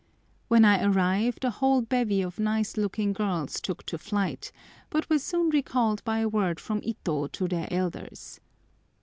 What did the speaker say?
When I arrived a whole bevy of nice looking girls took to flight, but were soon recalled by a word from Ito to their elders.